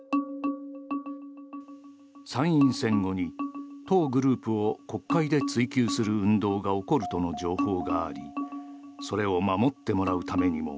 参院選後に当グループを国会で追及する運動が起こるとの情報がありそれを守ってもらうためにも